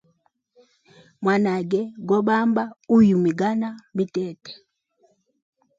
Mwanage go bamba uyimgana mitete.